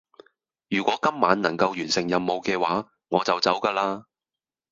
如果今晚能夠完成任務嘅話，我就走架喇